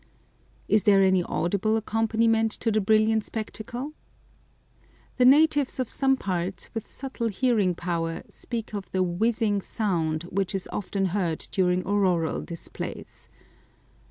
Is there any audible accompaniment to the brilliant spectacle? The natives of some parts, with subtle hearing power, speak of the "whizzing" sound which is often heard during auroral displays.